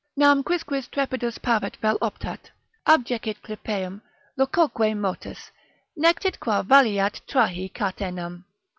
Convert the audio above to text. Nam quisquis trepidus pavet vel optat, Abjecit clypeum, locoque motus Nectit qua valeat trahi catenam.